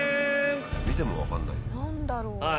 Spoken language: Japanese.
見ても分かんない。